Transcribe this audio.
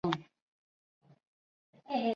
以上三期计有三十二章。